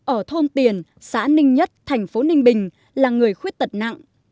ở thôn tiền xã ninh nhất thành phố ninh bình là người khuyết tật nặng